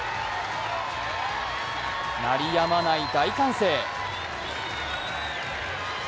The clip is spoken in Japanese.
鳴りやまない大歓声。